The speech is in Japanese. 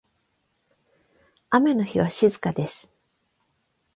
雨の日は静かです。